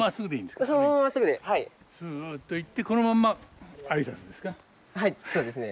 すっと行ってこのまんま挨拶ですか？